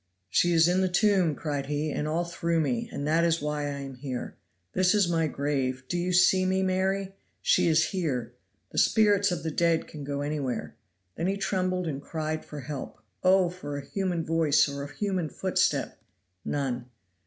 "She is in the tomb," cried he, "and all through me, and that is why I am here. This is my grave. Do you see me, Mary? she is here. The spirits of the dead can go anywhere." Then he trembled and cried for help. Oh! for a human voice or a human footstep! none.